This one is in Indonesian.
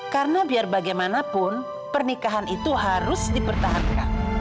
karena biar bagaimanapun pernikahan itu harus dipertahankan